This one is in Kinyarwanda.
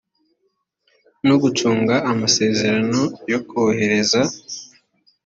no gucunga amasezerano yo korohereza